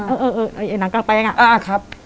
เออหนังกลางแปลงอะ